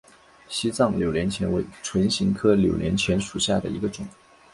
西藏扭连钱为唇形科扭连钱属下的一个种。